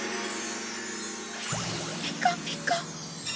ピカピカ！